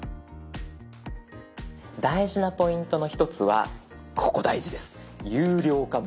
大事なポイントの一つはここ大事です。